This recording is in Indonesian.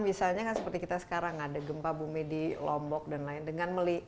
misalnya kan seperti kita sekarang ada gempa bumi di lombok dan lain lain